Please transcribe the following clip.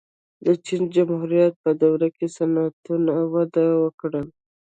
د چین جمهوریت په دوره کې صنعتونه وده وکړه.